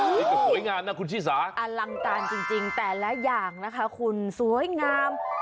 แต่สวยงามนะคุณชิสาอลังการจริงแต่ละอย่างนะคะคุณสวยงาม